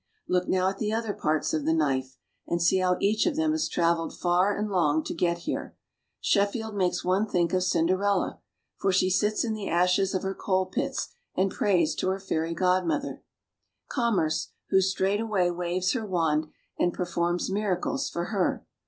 Look now at the other parts of the knife, and see how each of them has traveled far and long to get here. Shef field makes one think of Cinderella, for she sits in the ashes of her coal pits and prays to her fairy godmother, Commerce, who straightway waves her wand and per forms miracles for her.